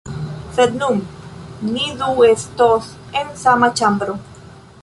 Sed nun, ni du estos en sama ĉambro...